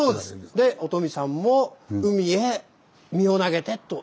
でお富さんも海へ身を投げてと。